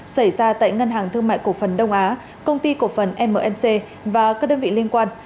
xảy ra tại ngân hàng thương mại cổ phần đông á công ty cổ phần mc và các đơn vị liên quan